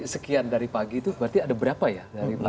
sekian dari pagi itu berarti ada berapa ya